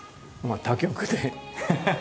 他局で。